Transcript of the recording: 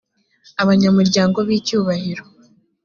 abanyamuryango b icyubahiro